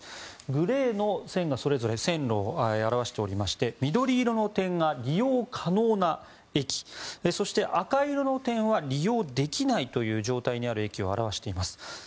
グレーの線がそれぞれ線を表していまして緑色の点が利用可能な駅そして赤色の点は利用できない状態にある駅を表しています。